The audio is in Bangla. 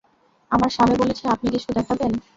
আমার স্বামী বলেছে আপনি কিছু দেখাবেন।